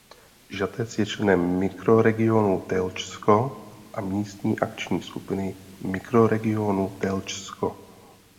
Žatec je členem Mikroregionu Telčsko a místní akční skupiny Mikroregionu Telčsko.